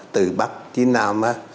từ bắc đến nam